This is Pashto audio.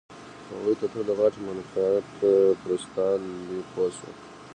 هغوی تر ټولو غټ منفعت پرستان دي پوه شوې!.